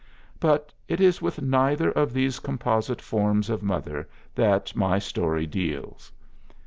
But it is with neither of these composite forms of mother that any story deals.